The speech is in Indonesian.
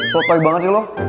sopai banget sih lo